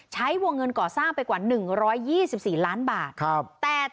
ใช้วงเงินก่อสร้างไปกว่า๑๒๔ล้านบาท